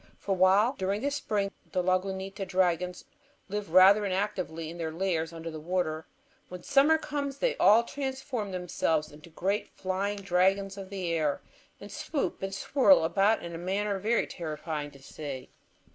For while during the spring the Lagunita dragons live rather inactively in their lairs under the water, when summer comes they all transform themselves into great flying dragons of the air, and swoop and swirl about in a manner very terrifying to see.